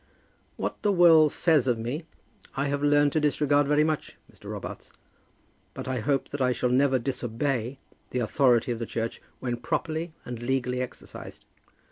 "What the world says of me I have learned to disregard very much, Mr. Robarts. But I hope that I shall never disobey the authority of the Church when properly and legally exercised."